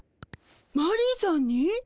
マリーさんに？